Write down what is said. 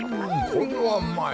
これはうまい。